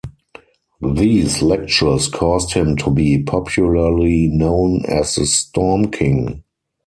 These lectures caused him to be popularly known as the Storm King.